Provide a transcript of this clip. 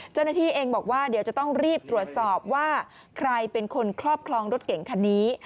เจ้าหน้าที่เองบอกว่าเดี๋ยวจะต้องรีบตรวจสอบว่าใครเป็นคนครอบครองรถเก่งคันนี้